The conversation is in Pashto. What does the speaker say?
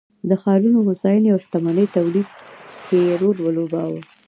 د ښارونو هوساینې او شتمنۍ تولید کې یې رول ولوباوه